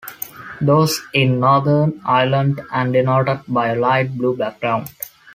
Those in Northern Ireland are denoted by a light blue background.